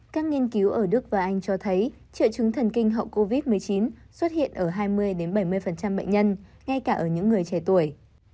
các nghiên cứu ở đức và anh cho thấy triệu chứng thần kinh hậu covid một mươi chín xuất hiện ở hai mươi bảy mươi bệnh nhân ngay cả ở những người trẻ tuổi